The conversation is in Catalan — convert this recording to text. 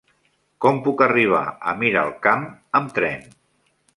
Com puc arribar a Miralcamp amb tren?